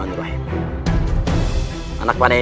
ini ada di al quran kami